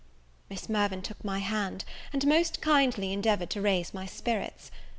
Miss Mirvan took my hand, and most kindly endeavoured to raise my spirits.